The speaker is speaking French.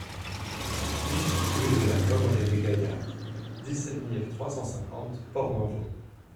huit rue de la Pommeraie des Gaillards, dix-sept mille trois cent cinquante Port-d'Envaux